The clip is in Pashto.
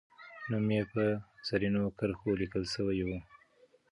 نوم یې به په زرینو کرښو لیکل سوی وو.